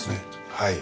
はい。